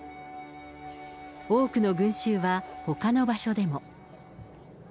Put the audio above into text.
多くの群衆はほかの場所でも。